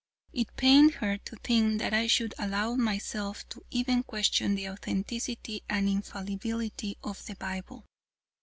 It pained her to think that I should allow myself to even question the authenticity and infallibility of the Bible.